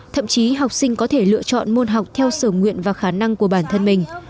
thậm chí học sinh có thể lựa chọn môn học theo sở nguyện và khả năng của bản thân mình